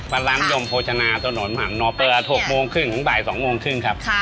ร้านยมโภชนาถนนหังนอเปอร์๖โมงครึ่งถึงบ่าย๒โมงครึ่งครับ